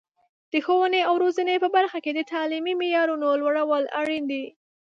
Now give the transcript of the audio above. د ښوونې او روزنې په برخه کې د تعلیمي معیارونو لوړول اړین دي.